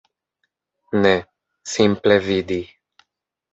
Ne, simple vidi.